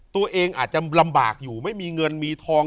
ตัวเองอาจจะลำบากอยู่ไม่มีเงินมีทอง